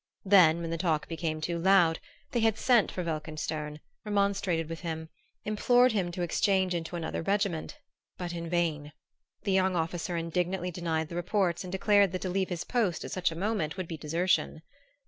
Then, when the talk became too loud, they had sent for Welkenstern, remonstrated with him, implored him to exchange into another regiment; but in vain. The young officer indignantly denied the reports and declared that to leave his post at such a moment would be desertion.